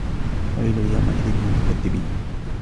وَيْلٌ يَوْمَئِذٍ لِلْمُكَذِّبِينَ